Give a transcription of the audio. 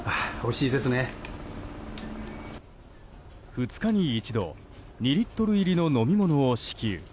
２日に一度、２リットル入りの飲み物を支給。